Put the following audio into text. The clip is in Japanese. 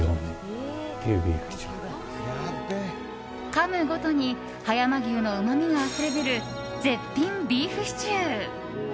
かむごとに葉山牛のうまみがあふれ出る、絶品ビーフシチュー。